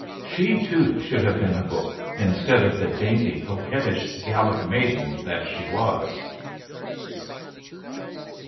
She, too, should have been a book instead of the dainty, coquettish Gallic maiden that she was.